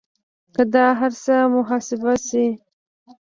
که دا هر څه محاسبه شي